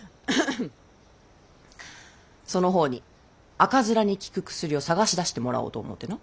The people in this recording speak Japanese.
その方に赤面に効く薬を探し出してもらおうと思うての。